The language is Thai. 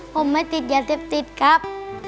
ผมไม่ติดยาเสพติดครับ